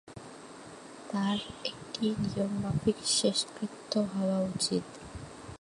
তার একটা নিয়মমাফিক শেষকৃত্য হওয়া উচিৎ।